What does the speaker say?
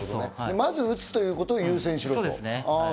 まず打つことを優先しろと。